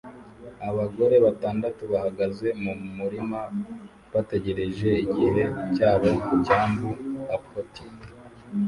Abagore batandatu bahagaze mu murima bategereje igihe cyabo ku cyambu-a-potty